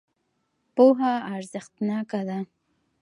پوهه ارزښتناکه ده.